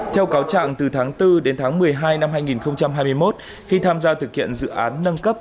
theo cáo trạng từ tháng bốn đến tháng một mươi hai năm hai nghìn hai mươi một khi tham gia thực hiện dự án nâng cấp